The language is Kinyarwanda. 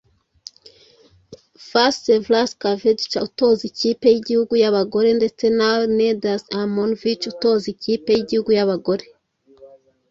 Vaceslav Kavedzija utoza ikipe y'igihugu y'abagabo ndetse na Nenad Amonovic utoza ikipe y'igihugu y'abagore